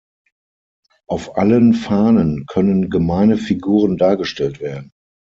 Auf allen Fahnen können gemeine Figuren dargestellt werden.